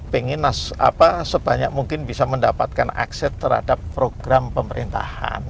pengen sebanyak mungkin bisa mendapatkan akses terhadap program pemerintahan